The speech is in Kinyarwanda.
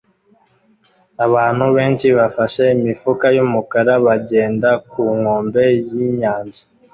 Abantu benshi bafashe imifuka yumukara bagenda ku nkombe yinyanja